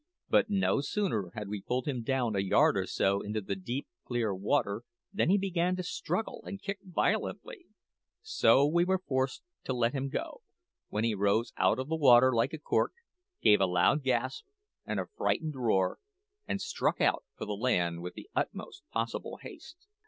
But no sooner had we pulled him down a yard or so into the deep, clear water than he began to struggle and kick violently; so we were forced to let him go, when he rose out of the water like a cork, gave a loud gasp and a frightful roar, and struck out for the land with the utmost possible haste.